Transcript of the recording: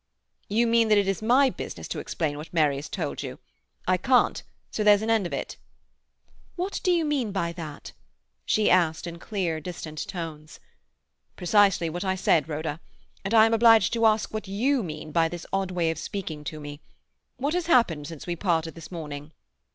"You mean that it is my business to explain what Mary has told you. I can't, so there's an end of it." "What do you mean by that?" she asked in clear, distant tones. "Precisely what I say, Rhoda. And I am obliged to ask what you mean by this odd way of speaking to me. What has happened since we parted this morning?"